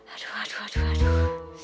aduh aduh aduh aduh